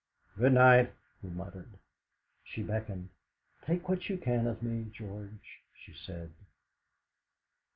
"Good night!" he muttered. She beckoned. "Take what you can of me, George!" she said.